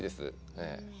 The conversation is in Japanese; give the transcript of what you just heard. ええ。